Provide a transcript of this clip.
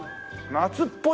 夏っぽい。